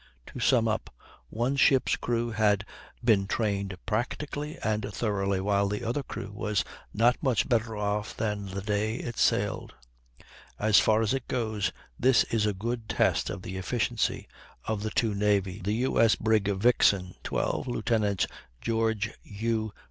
To sum up: one ship's crew had been trained practically and thoroughly, while the other crew was not much better off than the day it sailed; and, as far as it goes, this is a good test of the efficiency of the two navies. The U.S. brig Vixen, 12, Lieutenant George U.